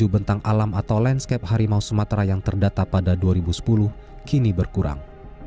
tujuh bentang alam atau landscape harimau sumatera yang terdata pada dua ribu sepuluh kini berkurang